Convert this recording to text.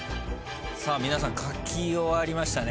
皆さん書き終わりましたね。